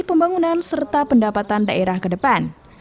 pembangunan serta pendapatan daerah ke depan